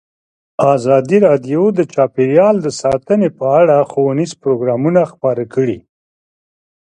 ازادي راډیو د چاپیریال ساتنه په اړه ښوونیز پروګرامونه خپاره کړي.